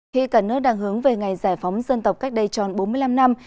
khi cả nước đang hướng về ngày giải phóng dân tộc cách đây tròn bốn mươi năm năm